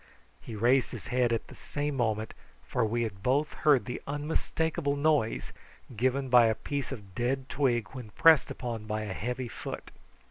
He raised his head at the same moment, for we had both heard the unmistakable noise given by a piece of dead twig when pressed upon by a heavy foot.